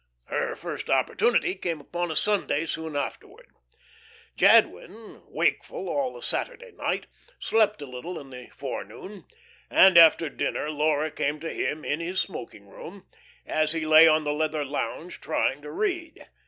Her first opportunity came upon a Sunday soon afterward. Jadwin, wakeful all the Saturday night, slept a little in the forenoon, and after dinner Laura came to him in his smoking room, as he lay on the leather lounge trying to read.